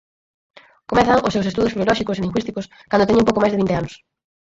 Comezan os seus estudos filolóxicos e lingüísticos cando teñen pouco máis de vinte anos.